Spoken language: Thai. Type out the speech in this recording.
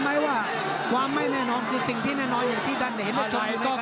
ไหมว่าความแม่แน่นอมใช่ศิกที่แน่นอนอย่างที่ดันนี้เห็นว่าจบ